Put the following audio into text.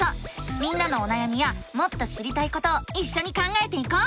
みんなのおなやみやもっと知りたいことをいっしょに考えていこう！